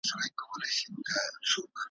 که دي تڼۍ شلېدلي نه وي څوک دي څه پیژني ,